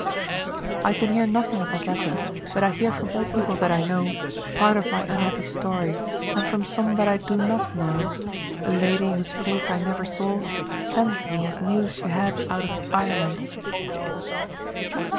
I can hear nothing of that letter, but I hear from all people that I know, part of my unhappy story, and from some that I do not know. A lady, whose face I never saw, sent it me as news she had out of Ireland.